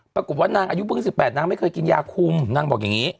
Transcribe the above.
ปรากฏว่านางอายุเพิ่ง๑๘นางไม่เคยกินยาคุมนางบอกอย่างนี้